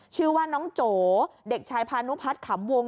ชื่อว่าน้องโจเด็กชายพานุพัฒน์ขำวง